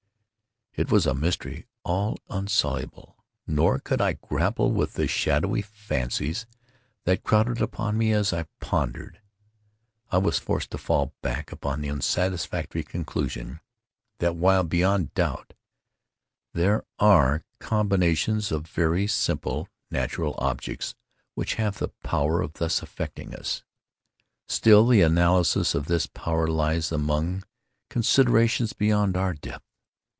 It was a mystery all insoluble; nor could I grapple with the shadowy fancies that crowded upon me as I pondered. I was forced to fall back upon the unsatisfactory conclusion, that while, beyond doubt, there are combinations of very simple natural objects which have the power of thus affecting us, still the analysis of this power lies among considerations beyond our depth.